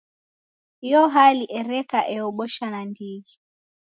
Iyo hali ereka eobosha nandighi.